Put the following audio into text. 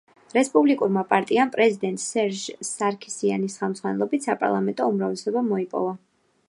რესპუბლიკურმა პარტიამ პრეზიდენტ სერჟ სარქისიანის ხელმძღვანელობით საპარლამენტო უმრავლესობა მოიპოვა.